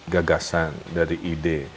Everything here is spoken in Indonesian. gagasan dari ide